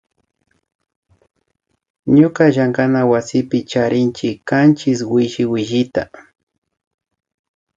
Ñuka llankaywasipi charinchi kanchis williwillita